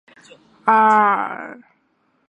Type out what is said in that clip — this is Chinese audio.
樱井孝宏为日本男性声优。